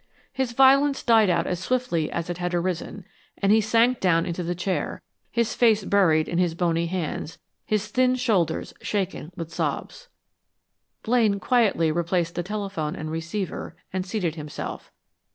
His violence died out as swiftly as it had arisen, and he sank down in the chair, his face buried in his bony hands, his thin shoulders shaken with sobs. Blaine quietly replaced the telephone and receiver, and seated himself.